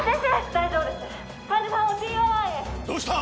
大丈夫です患者さんをＴＯ１へどうした？